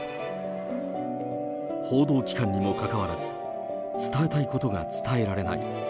報道機関にもかかわらず、伝えたいことが伝えられない。